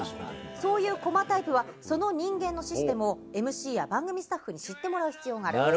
そういうコマタイプは人間のシステムをＭＣや番組スタッフに知ってもらう必要がある。